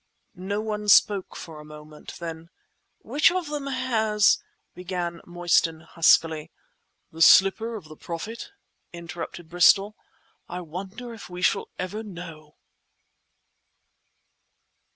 No one spoke for a moment. Then— "Which of them has—" began Mostyn huskily. "The slipper of the Prophet?" interrupted Bristol. "I wonder if we shall ever know?"